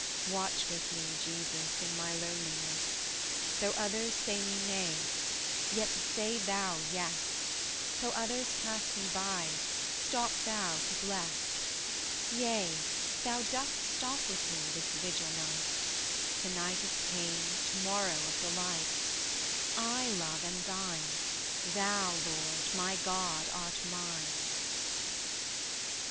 Watch with me, Jesus, in my loneliness: Though others say me nay, yet say Thou yes; Though others pass me by, stop Thou to bless. Yea, Thou dost stop with me this vigil night; To night of pain, to morrow of delight: I, Love, am Thine; Thou, Lord, my God, art mine.